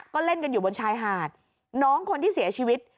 ก็เล่นกันอยู่บนชายหาดน้องคนที่เสียชีวิต